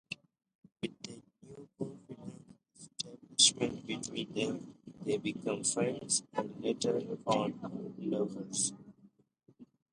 With that new confidence established between them, they become friends and, later on, lovers.